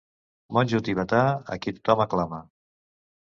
Monjo tibetà a qui tothom aclama.